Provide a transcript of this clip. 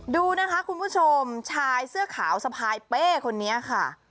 ดูนะคะคุณผู้ชมชายเสื้อขาวสะพายเป้คนนี้ค่ะ